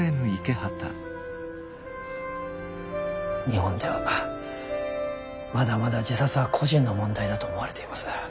日本ではまだまだ自殺は個人の問題だと思われています。